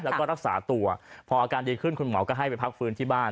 แล้วก็รักษาตัวพออาการดีขึ้นคุณหมอก็ให้ไปพักฟื้นที่บ้าน